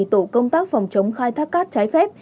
tổ công tác phòng chống khai thác cát trái phép